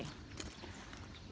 ini adalah sekolah